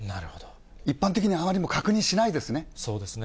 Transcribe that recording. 一般的にはあまり確認をしないでそうですね。